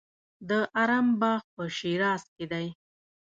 د ارم باغ په شیراز کې دی.